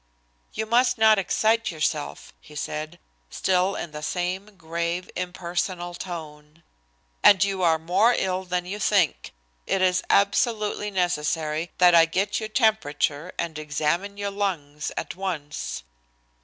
"You must not excite yourself," he said, still in the same grave, impersonal tone, "and you are more ill than you think. It is absolutely necessary that I get your temperature and examine your lungs at once."